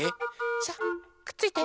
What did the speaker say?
さあくっついて！